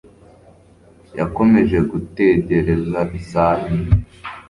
Yakomeje gutegereza isaha imwe.